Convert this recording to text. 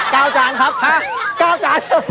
ฮะ๙จานครับฮะ๙จาน